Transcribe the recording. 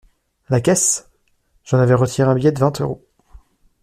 La caisse ? J’en avais retiré un billet de vingt euros.